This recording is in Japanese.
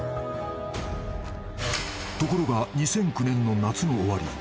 ［ところが２００９年の夏の終わり］